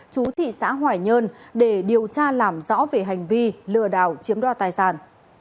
chú thị xã hoài nhơn để điều tra làm rõ về hành vi lừa đảo chiếm đoạt tài sản